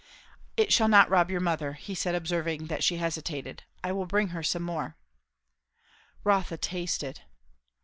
"It shall not rob your mother," he said observing that she hesitated. "I will bring her some more." Rotha tasted.